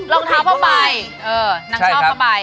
รองเท้าพ่อบายนางชอบพ่อบาย